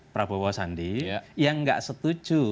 prabowo sandi yang nggak setuju